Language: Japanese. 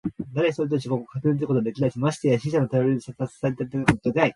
だれ一人としてここをかけ抜けることはできないし、まして死者のたよりをたずさえてかけ抜けることはできない。